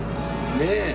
ねえ。